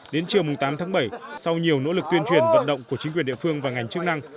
đến chiều tám tháng bảy sau nhiều nỗ lực tuyên truyền vận động của chính quyền địa phương và ngành chức năng